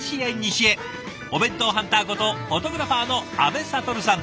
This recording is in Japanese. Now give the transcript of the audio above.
お弁当ハンターことフォトグラファーの阿部了さん。